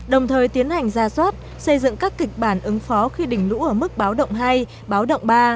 đồng thời tiến hành ra soát xây dựng các kịch bản ứng phó khi đỉnh lũ ở mức báo động hai báo động ba